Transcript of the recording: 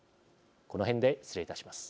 このへんで失礼いたします。